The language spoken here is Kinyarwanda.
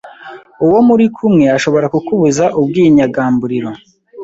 uwo muri kumwe ashobora kukubuza ubwinyagamburiro